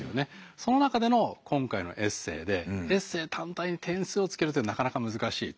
その中での今回のエッセーでエッセー単体で点数をつけるというのはなかなか難しいと。